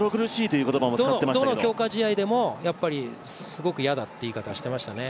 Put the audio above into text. どの強化試合でも、すごく嫌だという話をしていましたね。